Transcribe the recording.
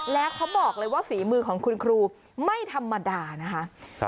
แล้วเขาบอกเลยว่าฝีมือของคุณครูไม่ธรรมดานะคะ